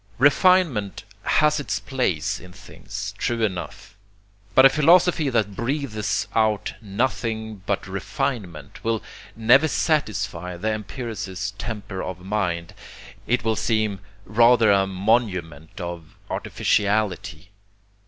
Refinement has its place in things, true enough. But a philosophy that breathes out nothing but refinement will never satisfy the empiricist temper of mind. It will seem rather a monument of artificiality.